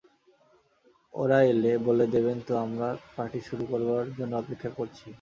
ওরা এলে, বলে দেবেন তো আমরা পার্টি শুরু করার জন্য অপেক্ষা করছি।